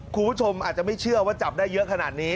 คุณผู้ชมอาจจะไม่เชื่อว่าจับได้เยอะขนาดนี้